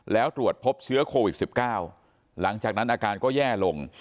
แล้วตรวจพบเชื้อโควิด๑๙หลังจากนั้นอาการก็แย่ลง